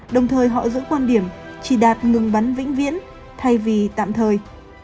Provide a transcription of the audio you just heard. đồng thời họ giữ quan điểm chỉ đạt ngừng bắn vĩnh viễn thay vì tạm thời